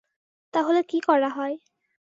তাহলে কী করা হয়?